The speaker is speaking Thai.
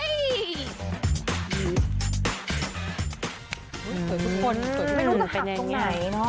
อุ้ยสวยทุกคนสวยทุกคน